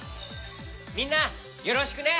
みんなよろしくね！